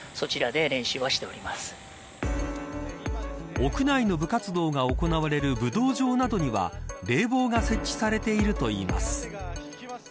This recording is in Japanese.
屋内の部活動が行われる武道場などには冷房が設置されているといいます。